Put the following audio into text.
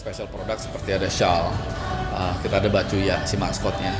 produk seperti ada shawl kita ada bacu ya si maskotnya